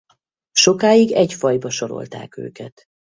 Sokig egy fajba sorolták őket.